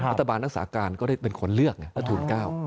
รัฐบาลรักษาการก็ได้เป็นคนเลือกไงรัฐทูล๙